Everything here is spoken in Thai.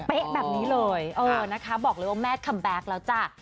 แดะแบบนี้เลยบอกเลยว่าแม่คำแปดแล้วจ้ะ